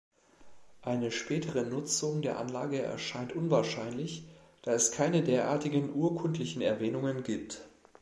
Eine spätere Nutzung der Anlage erscheint unwahrscheinlich, da es keine derartigen urkundlichen Erwähnungen gibt.